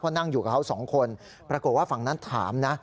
นั่งอยู่กับเขาสองคนปรากฏว่าฝั่งนั้นถามนะ